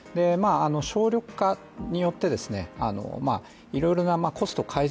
省力化によっていろいろなコスト改善